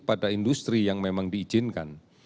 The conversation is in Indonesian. pada industri yang memang diizinkan